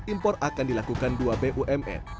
impor akan dilakukan dua bumn